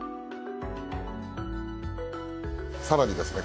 さらにですね